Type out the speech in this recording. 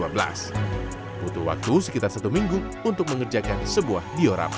butuh waktu sekitar satu minggu untuk mengerjakan sebuah diorama